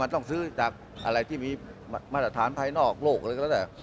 ต้องซื้อจากอะไรที่มีมาตรฐานภายนอกโลกอะไรก็แล้วแต่